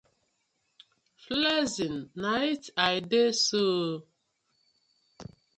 Flexing na it I dey so ooo.